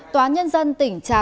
tòa nhân dân tỉnh trà vịnh